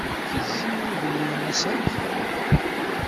Tezzi udem-nnes akkin.